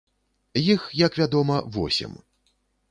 Іх, як вядома, восем.